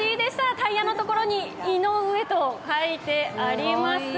タイヤのところに「井上」と書いてあります。